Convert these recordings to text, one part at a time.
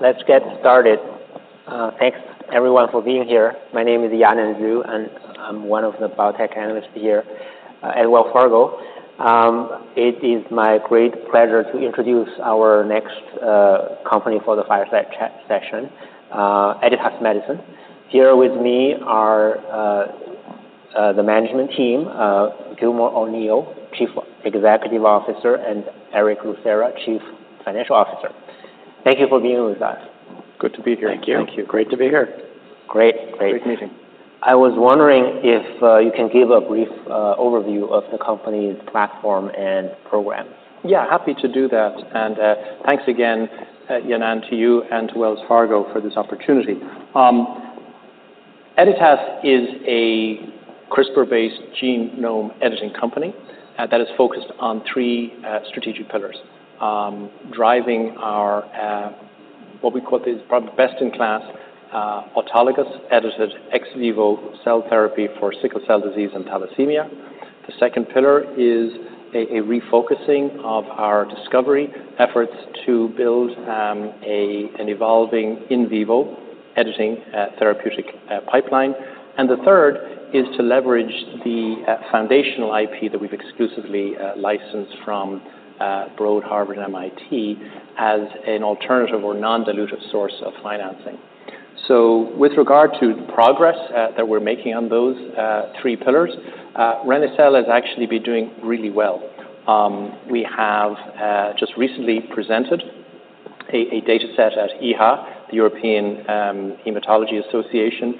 Let's get started. Thanks everyone for being here. My name is Yanan Zhu, and I'm one of the biotech analysts here at Wells Fargo. It is my great pleasure to introduce our next company for the fireside chat session, Editas Medicine. Here with me are the management team, Gilmore O'Neill, Chief Executive Officer, and Erick Lucera, Chief Financial Officer. Thank you for being with us. Good to be here. Thank you. Great to be here. Great, great. Great meeting. I was wondering if you can give a brief overview of the company's platform and program? Yeah, happy to do that, and, thanks again, Yanan, to you and to Wells Fargo for this opportunity. Editas is a CRISPR-based genome editing company that is focused on three strategic pillars. Driving our what we call the best-in-class autologous edited ex vivo cell therapy for sickle cell disease and thalassemia. The second pillar is a refocusing of our discovery efforts to build an evolving in vivo editing therapeutic pipeline. And the third is to leverage the foundational IP that we've exclusively licensed from Broad, Harvard, and MIT as an alternative or non-dilutive source of financing. So with regard to the progress that we're making on those three pillars, reni-cel has actually been doing really well. We have just recently presented a dataset at EHA, the European Hematology Association,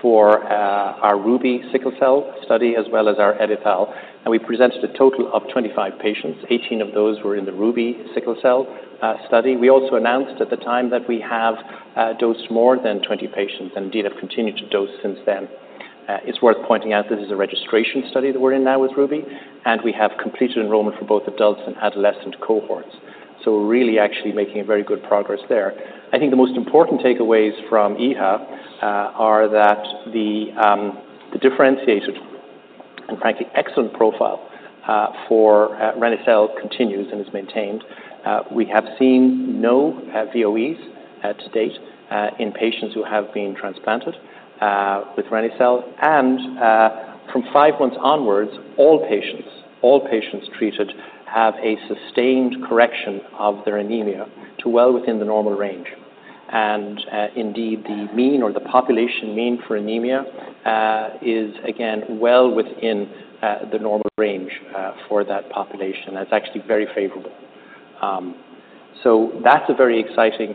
for our RUBY sickle cell study, as well as our EdiTHAL, and we presented a total of 25 patients. Eighteen of those were in the RUBY sickle cell study. We also announced at the time that we have dosed more than 20 patients and indeed have continued to dose since then. It's worth pointing out this is a registration study that we're in now with RUBY, and we have completed enrollment for both adults and adolescent cohorts, so we're really actually making a very good progress there. I think the most important takeaways from EHA are that the differentiated and, frankly, excellent profile for reni-cel continues and is maintained. We have seen no VOEs to date in patients who have been transplanted with reni-cel. From five months onwards, all patients treated have a sustained correction of their anemia to well within the normal range. Indeed, the mean or the population mean for anemia is, again, well within the normal range for that population, and it's actually very favorable. So that's a very exciting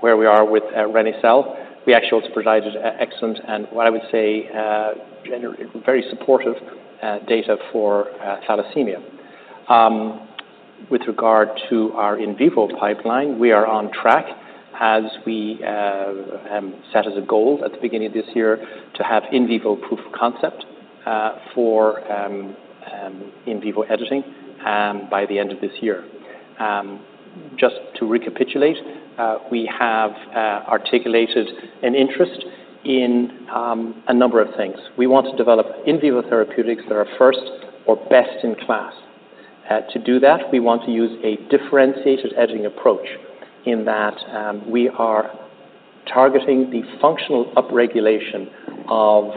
where we are with reni-cel. We actually also provided excellent, and what I would say, generally very supportive data for thalassemia. With regard to our in vivo pipeline, we are on track as we set as a goal at the beginning of this year to have in vivo proof of concept for in vivo editing by the end of this year. Just to recapitulate, we have articulated an interest in a number of things. We want to develop in vivo therapeutics that are first or best in class. To do that, we want to use a differentiated editing approach in that we are targeting the functional upregulation of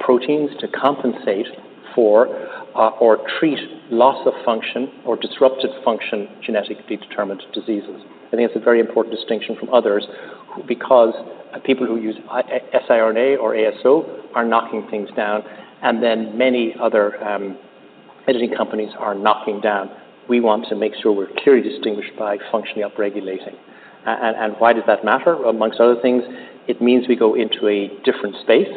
proteins to compensate for or treat loss of function or disrupted function, genetically determined diseases. I think it's a very important distinction from others, because people who use siRNA or ASO are knocking things down, and then many other editing companies are knocking down. We want to make sure we're clearly distinguished by functionally upregulating, and why does that matter? Among other things, it means we go into a different space,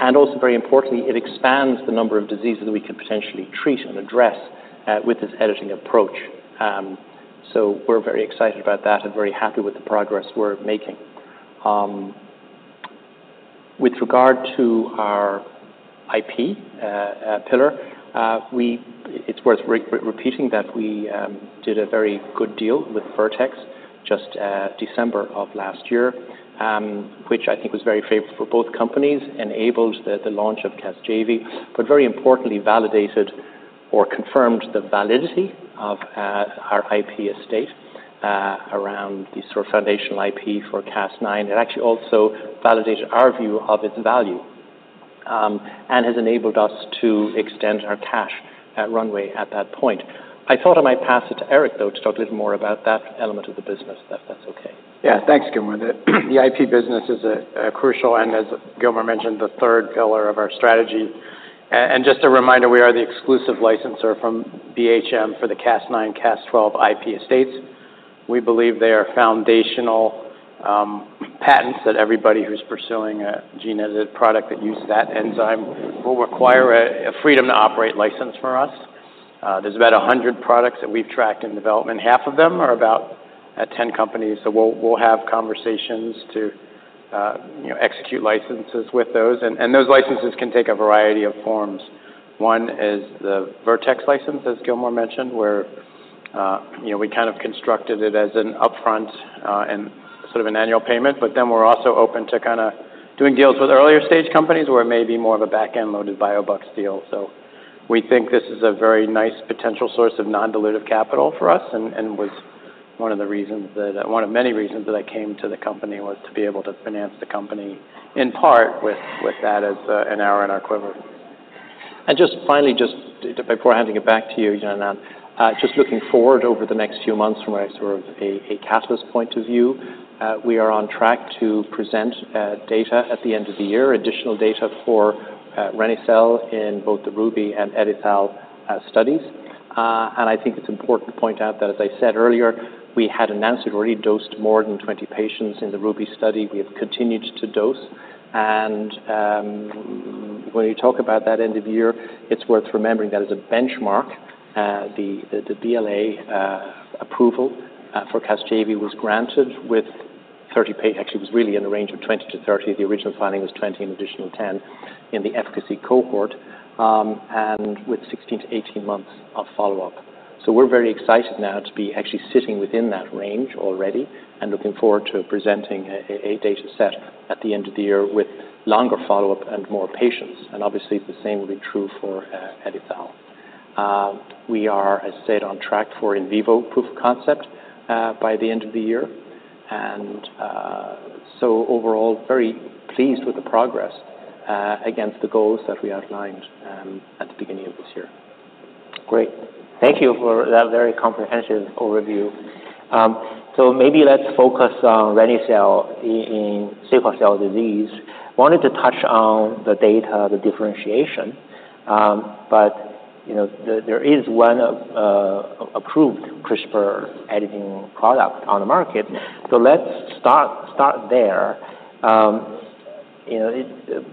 and also, very importantly, it expands the number of diseases that we can potentially treat and address with this editing approach. So we're very excited about that and very happy with the progress we're making. With regard to our IP pillar, it's worth repeating that we did a very good deal with Vertex just December of last year, which I think was very favorable for both companies, enabled the launch of CASGEVY, but very importantly, validated or confirmed the validity of our IP estate around the sort of foundational IP for Cas9. It actually also validated our view of its value, and has enabled us to extend our cash runway at that point. I thought I might pass it to Erick, though, to talk a little more about that element of the business, if that's okay. Yeah. Thanks, Gilmore. The IP business is a crucial, and as Gilmore mentioned, the third pillar of our strategy. And just a reminder, we are the exclusive licensor from BHM for the Cas9, Cas12 IP estates. We believe they are foundational patents that everybody who's pursuing a gene-edited product that use that enzyme will require a freedom-to-operate license from us. There's about 100 products that we've tracked in development. Half of them are about 10 companies, so we'll have conversations to execute licenses with those. And those licenses can take a variety of forms. One is the Vertex license, as Gilmore mentioned, where we kind of constructed it as an upfront and sort of an annual payment. But then we're also open to kind of doing deals with earlier-stage companies, where it may be more of a back-end loaded biobucks deal. So-... We think this is a very nice potential source of non-dilutive capital for us, and was one of the reasons that, one of many reasons that I came to the company, was to be able to finance the company, in part, with that as an arrow in our quiver. And just finally, just before handing it back to you, Yanan, just looking forward over the next few months from a sort of a catalyst point of view, we are on track to present data at the end of the year, additional data for reni-cel in both the RUBY and EdiTHAL studies. And I think it's important to point out that, as I said earlier, we had announced we've already dosed more than 20 patients in the RUBY study. We have continued to dose. When you talk about that end of the year, it's worth remembering that as a benchmark, the BLA approval for CASGEVY was granted with actually, it was really in the range of 20-30. The original planning was 20, an additional 10 in the efficacy cohort, and with 16-18 months of follow-up. So we're very excited now to be actually sitting within that range already and looking forward to presenting a data set at the end of the year with longer follow-up and more patients, and obviously, the same will be true for EdiTHAL. We are, as I said, on track for in vivo proof of concept by the end of the year. Overall, very pleased with the progress against the goals that we outlined at the beginning of this year. Great. Thank you for that very comprehensive overview. So maybe let's focus on reni-cel in sickle cell disease. Wanted to touch on the data, the differentiation, but, you know, there is one approved CRISPR editing product on the market. So let's start there. You know,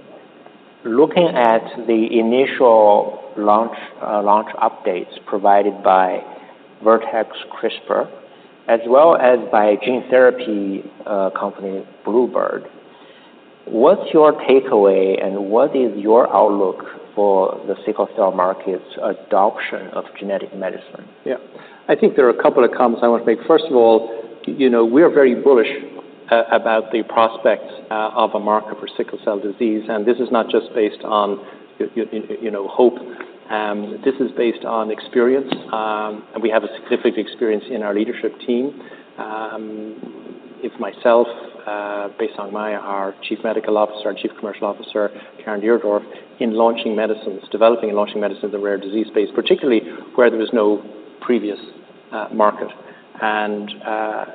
looking at the initial launch, launch updates provided by Vertex CRISPR, as well as by gene therapy, company Bluebird, what's your takeaway, and what is your outlook for the sickle cell market's adoption of genetic medicine? Yeah. I think there are a couple of comments I want to make. First of all, you know, we are very bullish about the prospects of a market for sickle cell disease, and this is not just based on you know, hope. This is based on experience, and we have a significant experience in our leadership team. It's myself, Baisong Mei, our Chief Medical Officer, our Chief Commercial Officer, Caren Deardorf, in launching medicines, developing and launching medicines in the rare disease space, particularly where there was no previous market. And,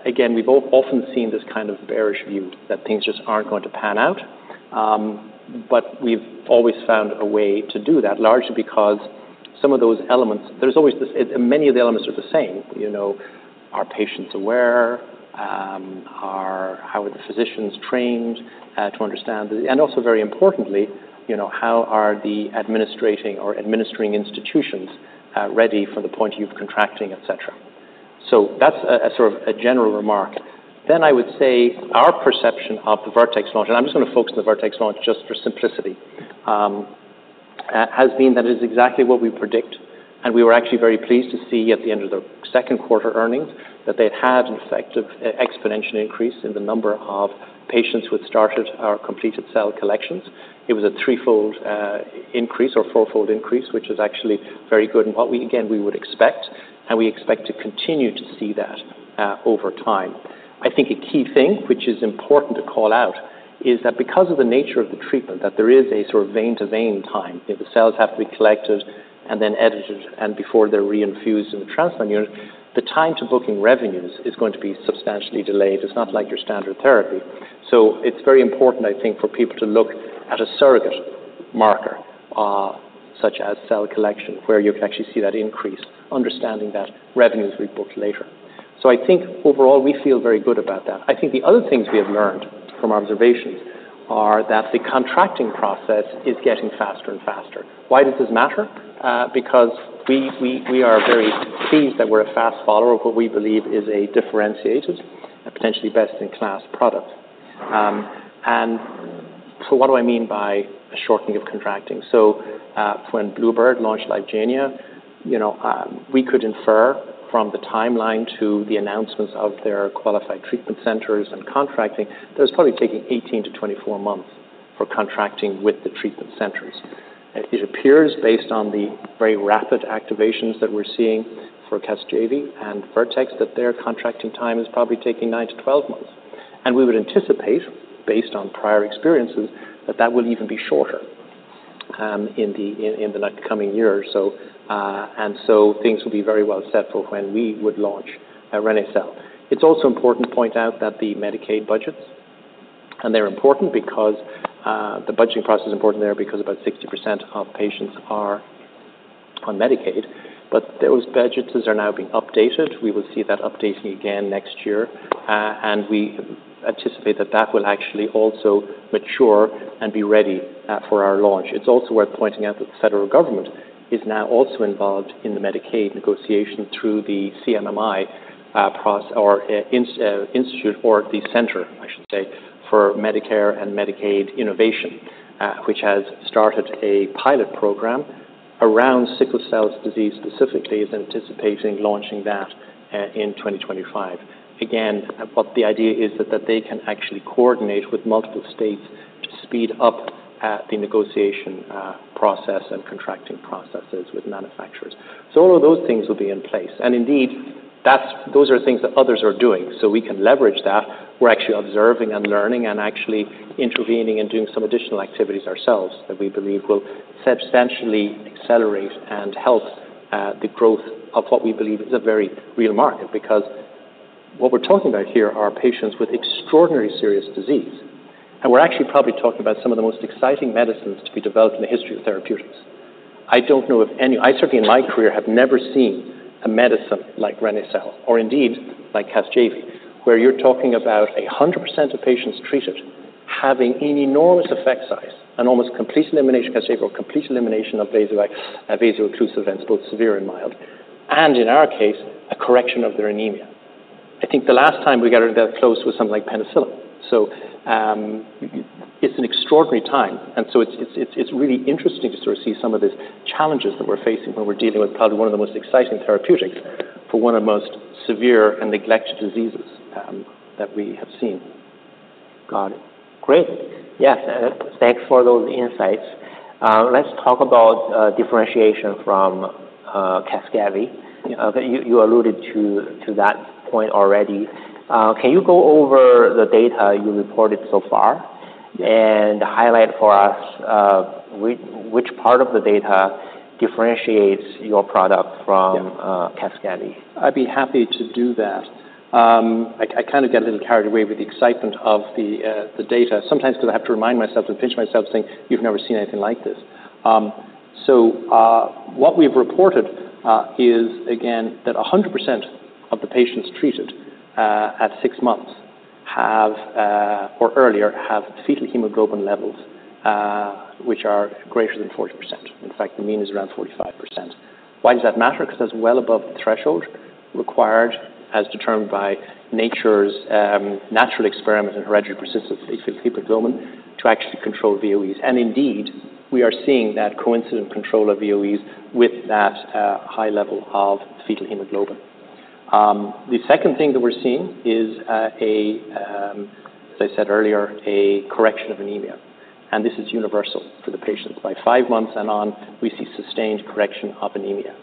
again, we've often seen this kind of bearish view that things just aren't going to pan out. But we've always found a way to do that, largely because some of those elements, there's always this... Many of the elements are the same. You know, are patients aware? How are the physicians trained to understand? And also very importantly, you know, how are the administrating or administering institutions ready for the point of contracting, et cetera? So that's a sort of a general remark. Then I would say our perception of the Vertex launch, and I'm just gonna focus on the Vertex launch just for simplicity, has been that it is exactly what we predict, and we were actually very pleased to see at the end of the second quarter earnings that they'd had an effective exponential increase in the number of patients who had started or completed cell collections. It was a threefold increase or fourfold increase, which is actually very good, and what we, again, we would expect, and we expect to continue to see that over time. I think a key thing, which is important to call out, is that because of the nature of the treatment, that there is a sort of vein to vein time. You know, the cells have to be collected and then edited, and before they're reinfused in the transplant unit, the time to booking revenues is going to be substantially delayed. It's not like your standard therapy. So it's very important, I think, for people to look at a surrogate marker, such as cell collection, where you can actually see that increase, understanding that revenues will be booked later. So I think overall, we feel very good about that. I think the other things we have learned from our observations are that the contracting process is getting faster and faster. Why does this matter? Because we are very pleased that we're a fast follower of what we believe is a differentiated and potentially best-in-class product. And so what do I mean by a shortening of contracting? So when Bluebird launched LYFGENIA, you know, we could infer from the timeline to the announcements of their qualified treatment centers and contracting, that it's probably taking 18-24 months for contracting with the treatment centers. It appears, based on the very rapid activations that we're seeing for CASGEVY and Vertex, that their contracting time is probably taking 9-12 months. And we would anticipate, based on prior experiences, that that will even be shorter in the coming years. And so things will be very well set for when we would launch reni-cel. It's also important to point out that the Medicaid budgets, and they're important because the budgeting process is important there because about 60% of patients are on Medicaid, but those budgets are now being updated. We will see that updating again next year, and we anticipate that that will actually also mature and be ready for our launch. It's also worth pointing out that the federal government is now also involved in the Medicaid negotiation through the CMMI, the Center for Medicare and Medicaid Innovation, which has started a pilot program around sickle cell disease specifically, is anticipating launching that in 2025. Again, but the idea is that they can actually coordinate with multiple states to speed up the negotiation process and contracting processes with manufacturers. So all of those things will be in place. And indeed, those are things that others are doing, so we can leverage that. We're actually observing and learning and actually intervening and doing some additional activities ourselves, that we believe will substantially accelerate and help the growth of what we believe is a very real market. Because what we're talking about here are patients with extraordinary serious disease, and we're actually probably talking about some of the most exciting medicines to be developed in the history of therapeutics. I don't know of any. I certainly, in my career, have never seen a medicine like reni-cel or indeed like CASGEVY, where you're talking about 100% of patients treated, having an enormous effect size and almost complete elimination, CASGEVY, or complete elimination of vaso-occlusive events, both severe and mild, and in our case, a correction of their anemia. I think the last time we got that close was something like penicillin. So, it's an extraordinary time, and so it's really interesting to sort of see some of the challenges that we're facing when we're dealing with probably one of the most exciting therapeutics for one of the most severe and neglected diseases that we have seen. Got it. Great. Yes, thanks for those insights. Let's talk about differentiation from CASGEVY. You alluded to that point already. Can you go over the data you reported so far and highlight for us which part of the data differentiates your product from- Yeah. CASGEVY? I'd be happy to do that. I kind of got a little carried away with the excitement of the data. Sometimes because I have to remind myself to pinch myself, saying, "You've never seen anything like this." What we've reported is, again, that 100% of the patients treated at six months or earlier have fetal hemoglobin levels which are greater than 40%. In fact, the mean is around 45%. Why does that matter? Because that's well above the threshold required, as determined by nature's natural experiment in hereditary persistent fetal hemoglobin, to actually control VOEs. And indeed, we are seeing that coincident control of VOEs with that high level of fetal hemoglobin. The second thing that we're seeing is, as I said earlier, a correction of anemia, and this is universal for the patients. By five months and on, we see sustained correction of anemia.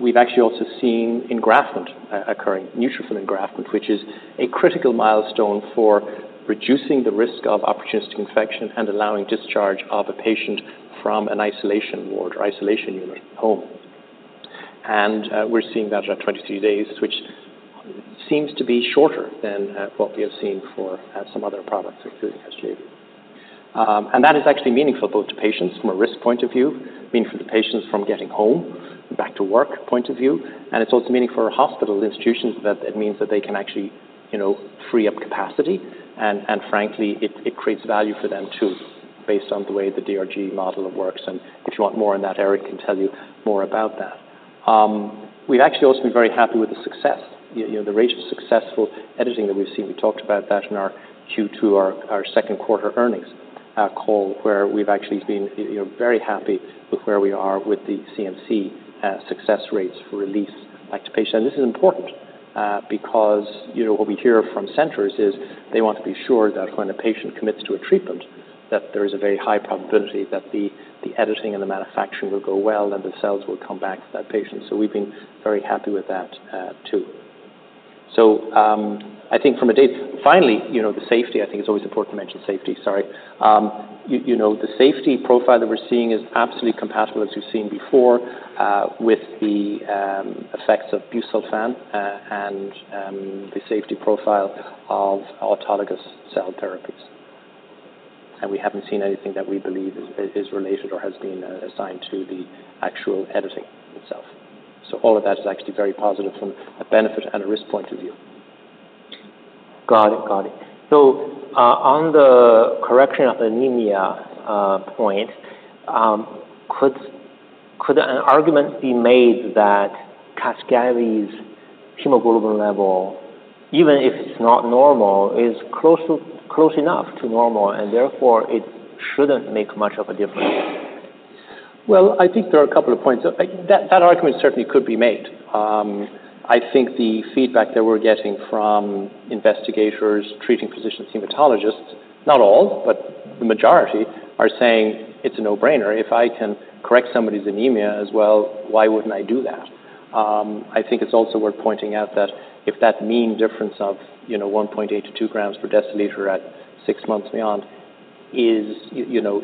We've actually also seen engraftment occurring, neutrophil engraftment, which is a critical milestone for reducing the risk of opportunistic infection and allowing discharge of a patient from an isolation ward or isolation unit home. And, we're seeing that at 23 days, which seems to be shorter than what we have seen for some other products, including CASGEVY. And that is actually meaningful both to patients from a risk point of view, meaningful to patients from getting home, back to work point of view, and it's also meaningful for hospital institutions, that it means that they can actually, you know, free up capacity. Frankly, it creates value for them, too, based on the way the DRG model works, and if you want more on that, Erick can tell you more about that. We've actually also been very happy with the success, you know, the rate of successful editing that we've seen. We talked about that in our Q2, second quarter earnings call, where we've actually been, you know, very happy with where we are with the CMC success rates for release back to patient, and this is important because, you know, what we hear from centers is, they want to be sure that when a patient commits to a treatment, that there is a very high probability that the editing and the manufacturing will go well, and the cells will come back to that patient. So we've been very happy with that, too. So, I think finally, you know, the safety, I think it's always important to mention safety. Sorry. You know, the safety profile that we're seeing is absolutely compatible as we've seen before, with the effects of busulfan, and the safety profile of autologous cell therapies. And we haven't seen anything that we believe is related or has been assigned to the actual editing itself. So all of that is actually very positive from a benefit and a risk point of view. Got it. Got it. So, on the correction of anemia point, could an argument be made that CASGEVY's hemoglobin level, even if it's not normal, is close enough to normal, and therefore it shouldn't make much of a difference? I think there are a couple of points. I think that argument certainly could be made. I think the feedback that we're getting from investigators, treating physicians, hematologists, not all, but the majority, are saying, "It's a no-brainer. If I can correct somebody's anemia as well, why wouldn't I do that?" I think it's also worth pointing out that if that mean difference of, you know, 1.8 g-2 g/dL at six months and beyond is, you know,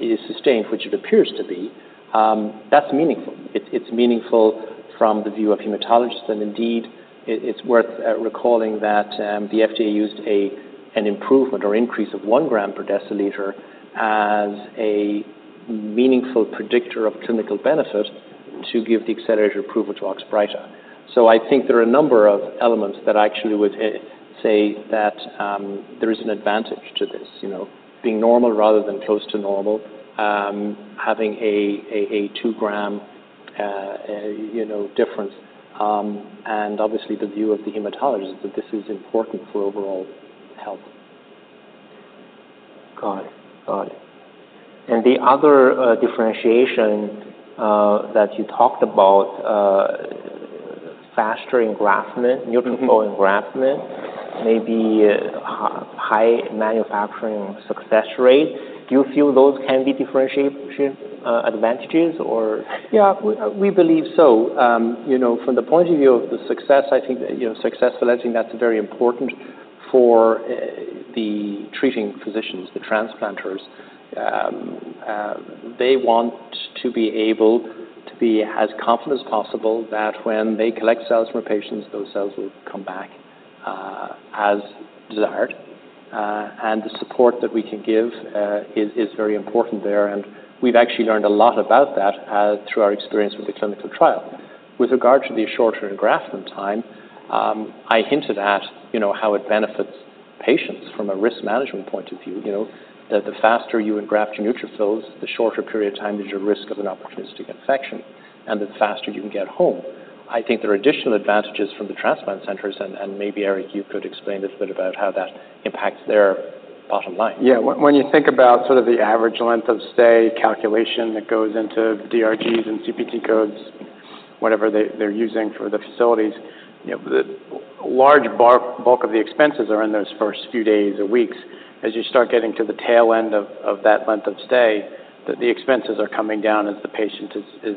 is sustained, which it appears to be, that's meaningful. It's meaningful from the view of hematologists, and indeed, it's worth recalling that, the FDA used an improvement or increase of 1 g/dL as a meaningful predictor of clinical benefit to give the accelerated approval to OXBRYTA. So I think there are a number of elements that I actually would say that there is an advantage to this, you know, being normal rather than close to normal. Having a two-gram, you know, difference, and obviously the view of the hematologist, that this is important for overall health. Got it. Got it. And the other differentiation that you talked about, faster engraftment- Mm-hmm. Neutrophil engraftment, maybe high manufacturing success rate. Do you feel those can be differentiation advantages or? Yeah, we, we believe so. You know, from the point of view of the success, I think, you know, success selecting that's very important for the treating physicians, the transplanters. They want to be able to be as confident as possible that when they collect cells from patients, those cells will come back as desired, and the support that we can give is very important there, and we've actually learned a lot about that through our experience with the clinical trial. With regard to the shorter engraftment time, I hinted at, you know, how it benefits patients from a risk management point of view. You know, that the faster you engraft your neutrophils, the shorter period of time is your risk of an opportunistic infection, and the faster you can get home. I think there are additional advantages from the transplant centers, and maybe, Erick, you could explain a bit about how that impacts their bottom line. Yeah. When you think about sort of the average length of stay calculation that goes into DRGs and CPT codes, whatever they're using for the facilities, you know, the large bulk of the expenses are in those first few days or weeks. As you start getting to the tail end of that length of stay, the expenses are coming down as the patient is,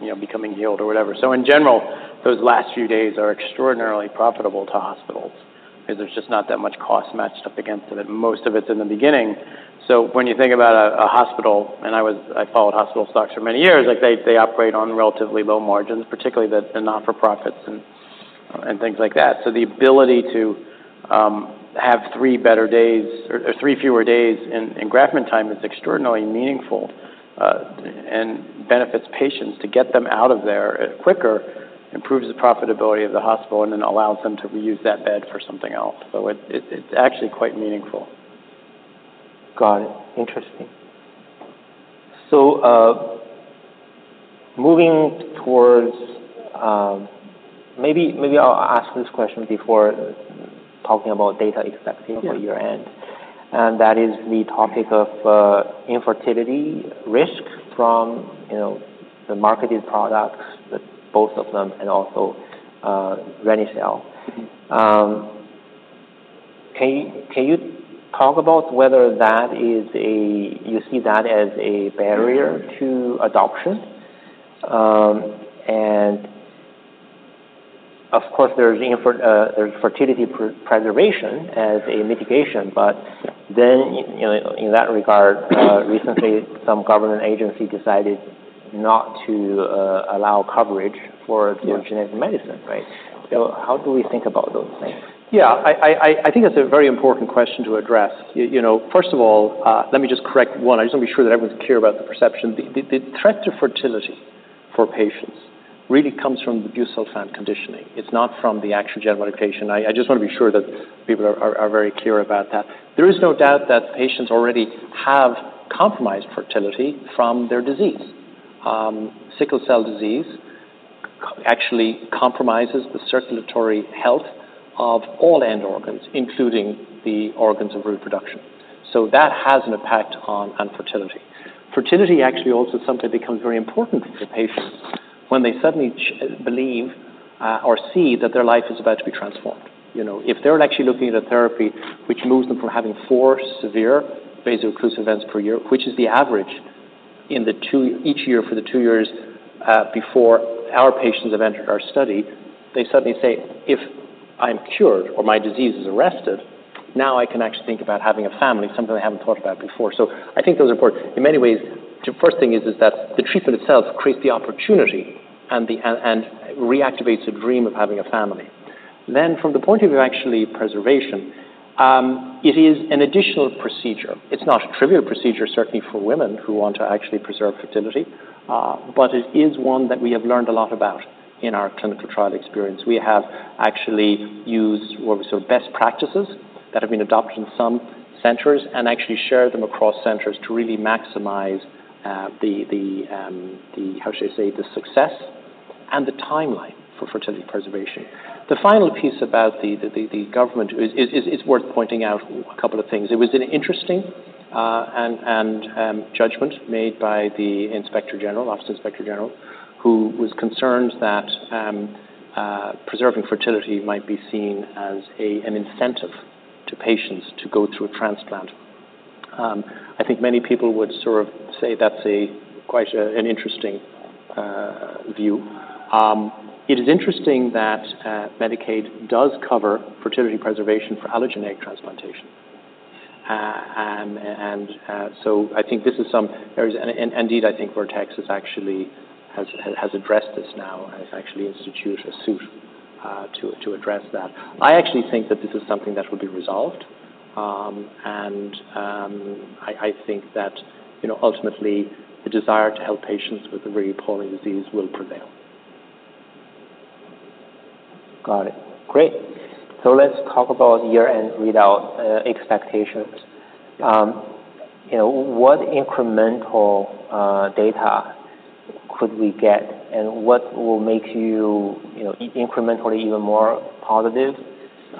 you know, becoming healed or whatever, so in general, those last few days are extraordinarily profitable to hospitals because there's just not that much cost matched up against it, and most of it's in the beginning. So when you think about a hospital, and I was. I followed hospital stocks for many years, like, they operate on relatively low margins, particularly the not-for-profits and things like that. So the ability to have three better days or three fewer days in engraftment time is extraordinarily meaningful, and benefits patients to get them out of there quicker, improves the profitability of the hospital, and then allows them to reuse that bed for something else. So it's actually quite meaningful. Got it. Interesting. So, moving towards... Maybe I'll ask this question before talking about data expecting- Yeah For your end, and that is the topic of infertility risk from, you know, the marketed products, the both of them, and also, reni-cel. Can you talk about whether that is a barrier to adoption? And of course, there's fertility preservation as a mitigation. But then, you know, in that regard, recently, some government agency decided not to allow coverage for- Yeah Genetic medicine, right? So how do we think about those things? Yeah, I think that's a very important question to address. You know, first of all, let me just correct one. I just want to be sure that everyone's clear about the perception. The threat to fertility for patients really comes from the Busulfan conditioning. It's not from the actual gene modification. I just want to be sure that people are very clear about that. There is no doubt that patients already have compromised fertility from their disease. Sickle cell disease actually compromises the circulatory health of all end organs, including the organs of reproduction, so that has an impact on fertility. Fertility actually also sometimes becomes very important to patients when they suddenly believe or see that their life is about to be transformed. You know, if they're actually looking at a therapy which moves them from having four severe vaso-occlusive events per year, which is the average each year for the two years before our patients have entered our study, they suddenly say, "If I'm cured or my disease is arrested, now I can actually think about having a family, something I haven't thought about before." So I think those are important. In many ways, the first thing is that the treatment itself creates the opportunity and reactivates the dream of having a family. Then from the point of view of fertility preservation, it is an additional procedure. It's not a trivial procedure, certainly for women who want to actually preserve fertility, but it is one that we have learned a lot about in our clinical trial experience. We have actually used what sort of best practices that have been adopted in some centers and actually shared them across centers to really maximize the success and the timeline for fertility preservation. The final piece about the government is worth pointing out a couple of things. It was an interesting judgment made by the inspector general who was concerned that preserving fertility might be seen as an incentive to patients to go through a transplant. I think many people would sort of say that's a quite an interesting view. It is interesting that Medicaid does cover fertility preservation for allogeneic transplantation. So I think this is some... There is, and indeed, I think Vertex has actually addressed this now and has actually instituted a suit to address that. I actually think that this is something that will be resolved, and I think that, you know, ultimately, the desire to help patients with a very poorly disease will prevail. Got it. Great. So let's talk about year-end readout expectations. You know, what incremental data could we get, and what will make you, you know, incrementally even more positive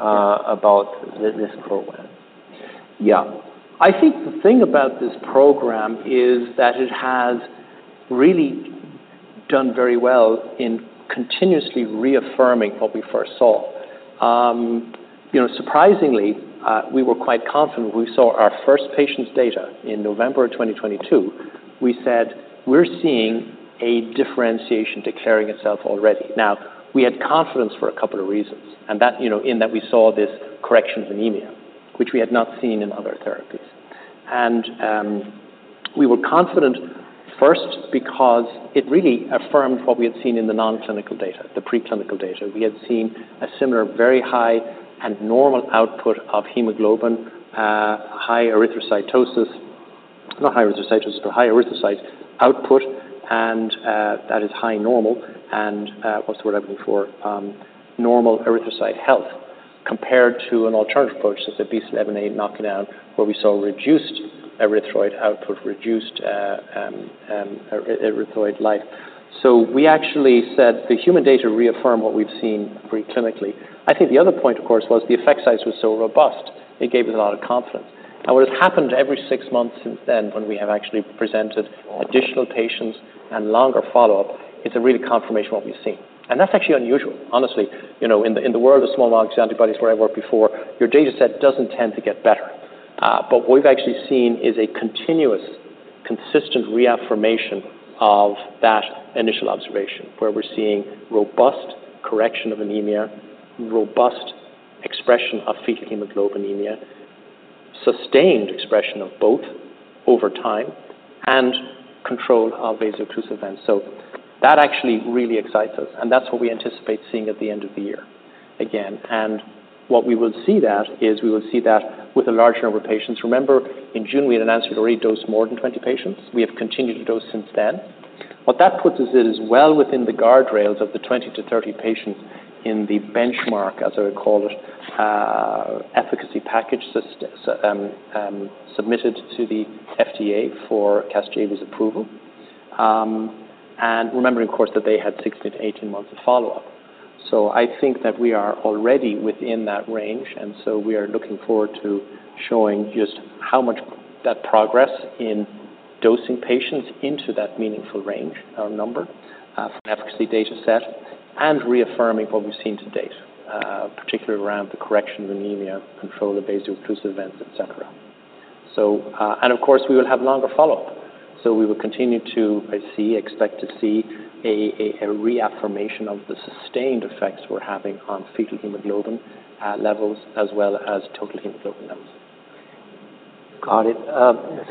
about this program? Yeah. I think the thing about this program is that it has really done very well in continuously reaffirming what we first saw. You know, surprisingly, we were quite confident when we saw our first patient's data in November of 2022. We said, "We're seeing a differentiation declaring itself already." Now, we had confidence for a couple of reasons, and that, you know, in that we saw this correction of anemia, which we had not seen in other therapies. And we were confident first, because it really affirmed what we had seen in the non-clinical data, the preclinical data. We had seen a similar, very high and normal output of hemoglobin, high erythrocytosis, not high erythrocytosis, but high erythrocyte output, and that is high normal. And what's the word I'm looking for? Normal erythrocyte health compared to an alternative approach, such as a BCL11A knockdown, where we saw reduced erythroid output, reduced erythroid life. So we actually said the human data reaffirm what we've seen preclinically. I think the other point, of course, was the effect size was so robust, it gave us a lot of confidence. And what has happened every six months since then, when we have actually presented additional patients and longer follow-up, it's a really confirmation of what we've seen. And that's actually unusual. Honestly, you know, in the world of small molecule antibodies, where I worked before, your data set doesn't tend to get better. But what we've actually seen is a continuous, consistent reaffirmation of that initial observation, where we're seeing robust correction of anemia, robust expression of fetal hemoglobin, sustained expression of both over time and control of vaso-occlusive events. So that actually really excites us, and that's what we anticipate seeing at the end of the year again. And what we will see that is, we will see that with a large number of patients. Remember, in June, we had announced that we dosed more than 20 patients. We have continued to dose since then. What that puts us in is well within the guardrails of the 20-30 patients in the benchmark, as I would call it, efficacy package submitted to the FDA for CASGEVY's approval. And remembering, of course, that they had 16-18 months of follow-up. So I think that we are already within that range, and so we are looking forward to showing just how much that progress in dosing patients into that meaningful range or number for an efficacy data set, and reaffirming what we've seen to date particularly around the correction of anemia, control of vaso-occlusive events, et cetera, and, of course, we will have longer follow-up, so we will continue to expect to see a reaffirmation of the sustained effects we're having on fetal hemoglobin levels as well as total hemoglobin levels. Got it.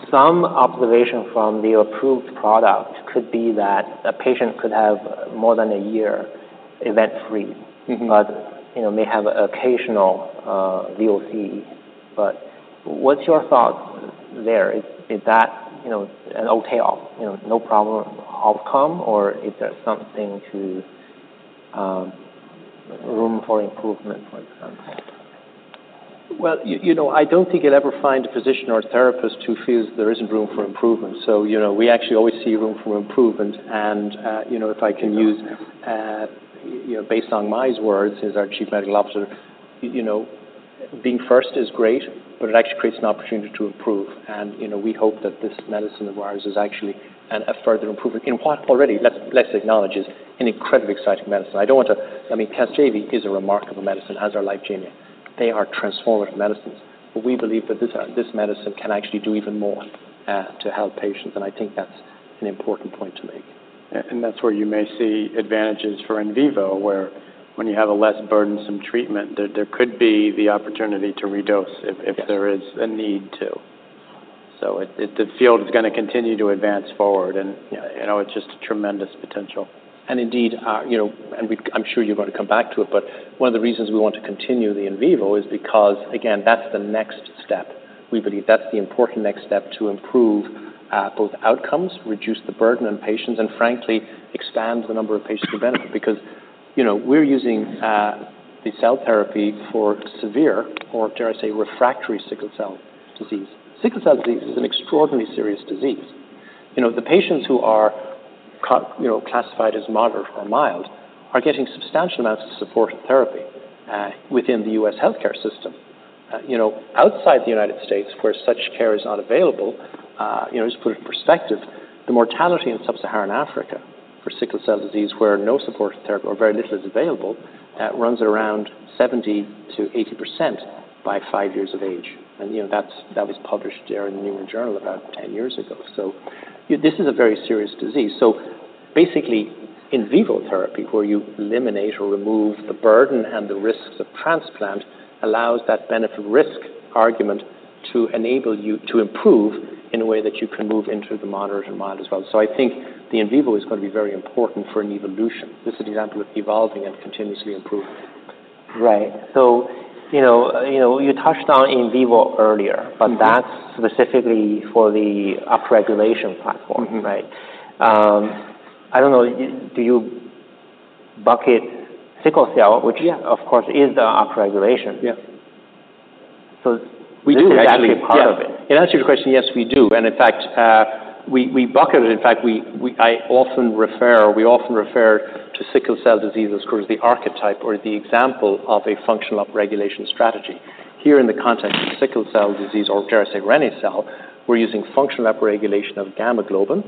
Some observation from the approved product could be that a patient could have more than a year event-free. Mm-hmm. But, you know, may have occasional VOC. But what's your thought there? Is that, you know, an okay outcome, you know, no problem outcome, or is there something room for improvement, for example? You know, I don't think you'd ever find a physician or a therapist who feels there isn't room for improvement. So, you know, we actually always see room for improvement. And, you know, if I can use, you know, based on Mei's words, he's our Chief Medical Officer, "You know, being first is great, but it actually creates an opportunity to improve." And, you know, we hope that this medicine of ours is actually a further improvement in what already, let's acknowledge, is an incredibly exciting medicine. I don't want to. I mean, CASGEVY is a remarkable medicine, as are LYFGENIA. They are transformative medicines, but we believe that this, this medicine can actually do even more, to help patients, and I think that's an important point to make. and that's where you may see advantages for in vivo, where when you have a less burdensome treatment, there could be the opportunity to redose if- Yes... if there is a need to. So it, the field is gonna continue to advance forward, and, you know, it's just a tremendous potential. Indeed, you know, I'm sure you're going to come back to it, but one of the reasons we want to continue the in vivo is because, again, that's the next step. We believe that's the important next step to improve both outcomes, reduce the burden on patients, and frankly, expand the number of patients with benefit. Because, you know, we're using the cell therapy for severe or, dare I say, refractory sickle cell disease. Sickle cell disease is an extraordinarily serious disease. You know, the patients who are classified as moderate or mild are getting substantial amounts of supportive therapy within the U.S. healthcare system. You know, outside the United States, where such care is not available, you know, just to put it in perspective, the mortality in Sub-Saharan Africa for sickle cell disease, where no supportive therapy or very little is available, runs around 70%-80% by 5 years of age. You know, that was published there in The New England Journal about 10 years ago. This is a very serious disease. Basically, in vivo therapy, where you eliminate or remove the burden and the risks of transplant, allows that benefit-risk argument to enable you to improve in a way that you can move into the moderate and mild as well. I think the in vivo is going to be very important for an evolution. This is an example of evolving and continuously improving. Right. So, you know, you touched on in vivo earlier- Mm-hmm... but that's specifically for the upregulation platform. Mm-hmm. Right? I don't know, do you bucket sickle cell- Yeah... which, of course, is the upregulation? Yeah. So- We do, actually. This is actually part of it. Yeah. In answer to your question, yes, we do, and in fact, we bucket it. In fact, I often refer, or we often refer to sickle cell disease as the archetype or the example of a functional upregulation strategy. Here in the context of sickle cell disease or reni-cel, we're using functional upregulation of gamma globin,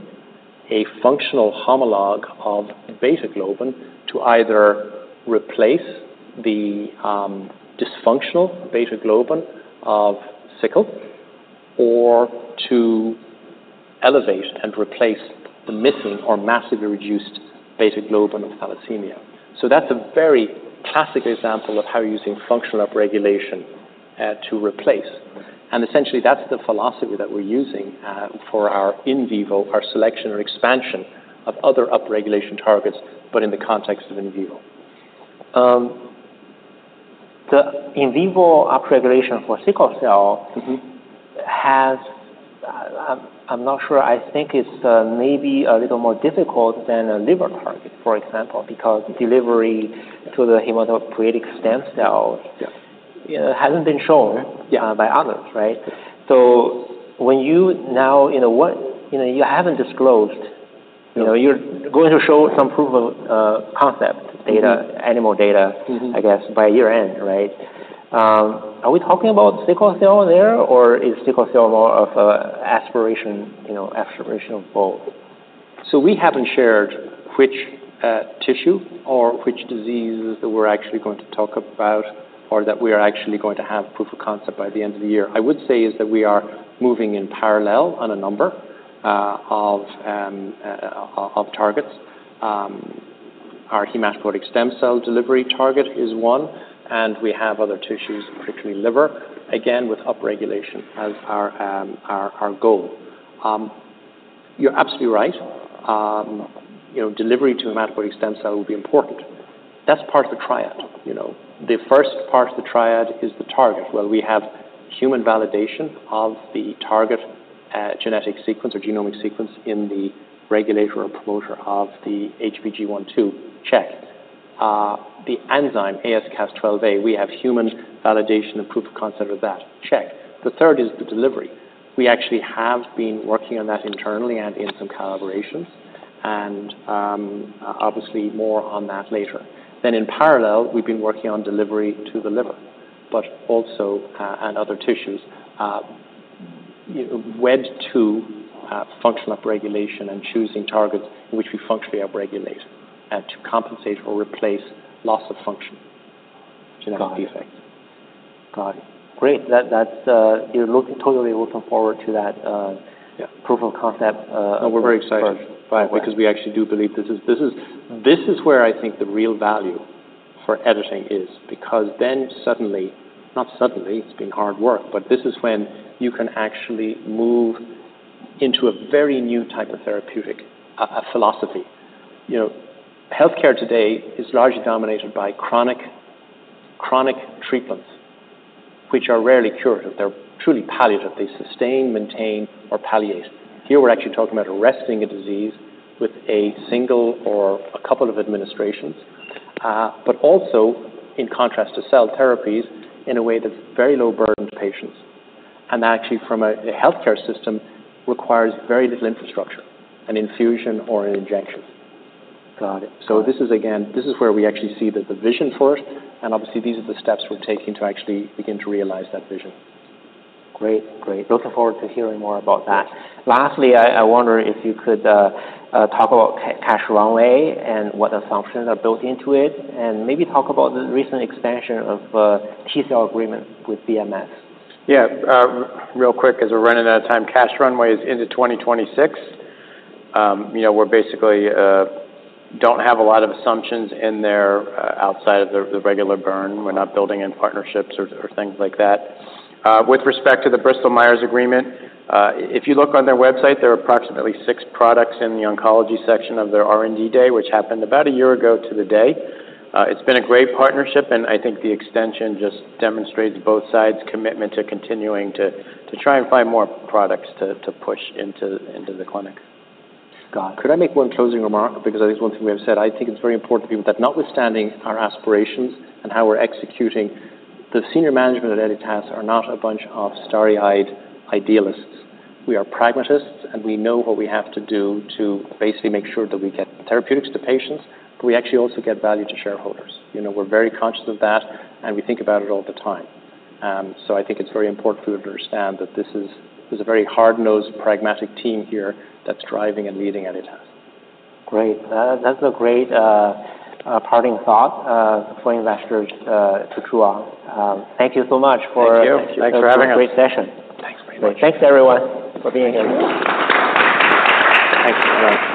a functional homolog of beta globin, to either replace the dysfunctional beta globin of sickle or to elevate and replace the missing or massively reduced beta globin of thalassemia. So that's a very classic example of how using functional upregulation to replace. And essentially, that's the philosophy that we're using for our in vivo, our selection or expansion of other upregulation targets, but in the context of in vivo. The in vivo upregulation for sickle cell has, I'm not sure. I think it's maybe a little more difficult than a liver target, for example, because delivery to the hematopoietic stem cell. Yeah. Hasn't been shown. Yeah. By others, right? So when you now, you know what. You know, you haven't disclosed, you know, you're going to show some proof of concept data. Mm-hmm. Animal data. Mm-hmm. I guess, by year-end, right? Are we talking about sickle cell there, or is sickle cell more of an aspiration, you know, aspiration of both? We haven't shared which tissue or which diseases that we're actually going to talk about, or that we are actually going to have proof of concept by the end of the year. I would say is that we are moving in parallel on a number of targets. Our hematopoietic stem cell delivery target is one, and we have other tissues, particularly liver, again, with upregulation as our goal. You're absolutely right. You know, delivery to hematopoietic stem cell will be important. That's part of the triad, you know. The first part of the triad is the target, where we have human validation of the target, genetic sequence or genomic sequence in the regulator or promoter of the HBG1/2, check. The enzyme Cas12a, we have human validation and proof of concept of that, check. The third is the delivery. We actually have been working on that internally and in some collaborations, and obviously more on that later. Then in parallel, we've been working on delivery to the liver, but also, and other tissues, wedded to functional upregulation and choosing targets in which we functionally upregulate, to compensate or replace loss of function, genetic defect. Got it. Great. That, that's, you're looking, totally looking forward to that. Yeah ...proof of concept, And we're very excited. Right. Because we actually do believe this is. This is where I think the real value for editing is, because then suddenly, not suddenly, it's been hard work, but this is when you can actually move into a very new type of therapeutic philosophy. You know, healthcare today is largely dominated by chronic treatments, which are rarely curative. They're truly palliative. They sustain, maintain, or palliate. Here, we're actually talking about arresting a disease with a single or a couple of administrations, but also, in contrast to cell therapies, in a way that's very low burden to patients. And actually, from a healthcare system, requires very little infrastructure, an infusion or an injection. Got it. So this is, again, this is where we actually see the vision for it, and obviously, these are the steps we're taking to actually begin to realize that vision. Great. Great. Looking forward to hearing more about that. Lastly, I wonder if you could talk about cash runway and what assumptions are built into it, and maybe talk about the recent expansion of T cell agreement with BMS. Yeah, real quick, as we're running out of time, cash runway is into 2026. You know, we're basically don't have a lot of assumptions in there outside of the regular burn. We're not building in partnerships or things like that. With respect to the Bristol Myers agreement, if you look on their website, there are approximately six products in the oncology section of their R&D day, which happened about a year ago to the day. It's been a great partnership, and I think the extension just demonstrates both sides' commitment to continuing to try and find more products to push into the clinic. Got it. Could I make one closing remark? Because I think it's one thing we have said, I think it's very important to people, that notwithstanding our aspirations and how we're executing, the senior management at Editas are not a bunch of starry-eyed idealists. We are pragmatists, and we know what we have to do to basically make sure that we get therapeutics to patients, but we actually also get value to shareholders. You know, we're very conscious of that, and we think about it all the time. So I think it's very important for you to understand that this is a very hard-nosed, pragmatic team here that's driving and leading Editas. Great. That's a great parting thought for investors to chew on. Thank you so much for- Thank you. Thanks for having us. A great session. Thanks very much. Thanks, everyone, for being here. Thank you very much.